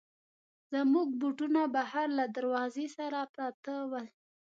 زموږ بوټونه بهر له دروازې سره پراته ول.